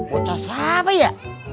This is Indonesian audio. kota siapa ya